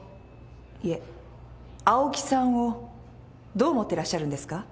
いえ青木さんをどう思ってらっしゃるんですか？